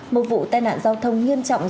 một vụ tai nạn giao thông nghiêm trọng